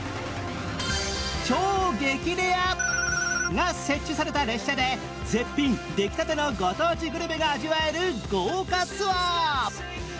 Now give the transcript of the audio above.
超激レアが設置された列車で絶品出来たてのご当地グルメが味わえる豪華ツアー